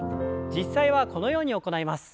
実際はこのように行います。